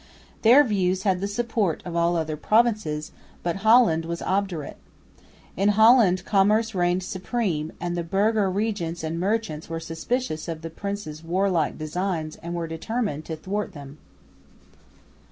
Their views had the support of all the other provinces, but Holland was obdurate. In Holland commerce reigned supreme; and the burgher regents and merchants were suspicious of the prince's warlike designs and were determined to thwart them.